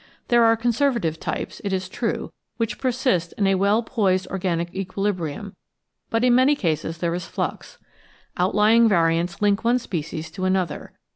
There are conservative types, it is true, which persist in a well poised organic equilibrium, but in many cases there is flux. Outlying variants link one species to another.